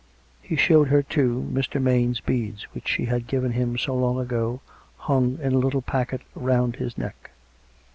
He showed her, too, Mr. Maine's beads which she had given him so long ago, hung in a little packet round his neck.